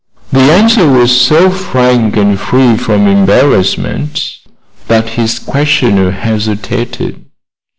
The answer was so frank and free from embarrassment that his questioner hesitated.